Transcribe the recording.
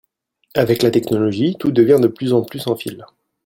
Avec la technologie tout devient de plus en plus sans fil